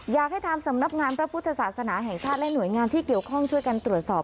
อยากให้ทางสำนักงานพระพุทธศาสนาแห่งชาติและหน่วยงานที่เกี่ยวข้องช่วยกันตรวจสอบ